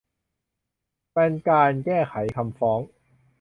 เป็นการแก้ไขคำฟ้อง